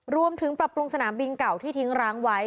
รวมถึงปรับปรุงสนามบินเก่าที่ทิ้งร้างไว้